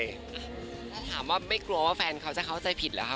ถ้าถามว่าไม่กลัวว่าแฟนเขาจะเข้าใจผิดเหรอคะ